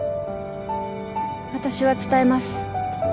私は伝えます。